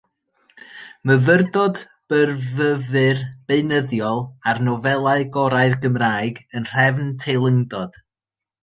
Myfyrdod byrfyfyr beunyddiol ar nofelau gorau'r Gymraeg, yn nhrefn teilyngdod.